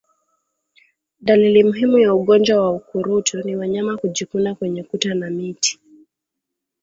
Dalili muhimu ya ugonjwa wa ukurutu ni wanyama kujikuna kwenye kuta na miti